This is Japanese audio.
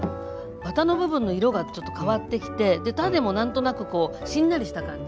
ワタの部分の色がちょっと変わってきて種も何となくこうしんなりした感じ。